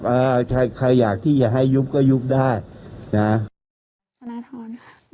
อ่าใช่ใครอยากที่ให้ยุกก็ยุกได้นะฮะ